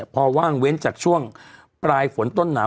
พอว่างเว้นจากช่วงปลายฝนต้นหนาว